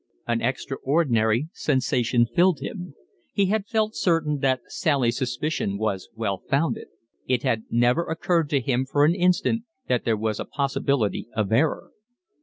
An extraordinary sensation filled him. He had felt certain that Sally's suspicion was well founded; it had never occurred to him for an instant that there was a possibility of error.